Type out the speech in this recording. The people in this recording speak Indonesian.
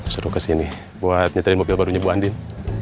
suruh ke sini buat nyetirin mobil barunya bu andien